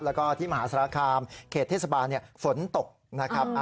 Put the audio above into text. แล้วก็ที่มหาสารคามเขตเทศบาลฝนตกนะครับ